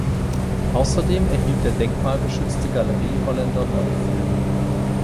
Außerdem erhielt der denkmalgeschützte Galerieholländer neue Flügel.